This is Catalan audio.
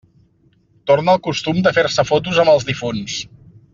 Torna el costum de fer-se fotos amb els difunts.